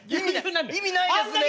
意味ないですね。